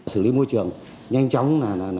xử lý môi trường nhanh chóng